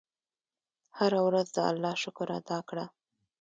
هره ورځ د الله شکر ادا کړه.